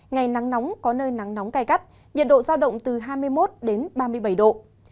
ngày nắng nóng có nơi nắng nóng cay gắt nhiệt độ giao động từ hai mươi một đến ba mươi bảy độ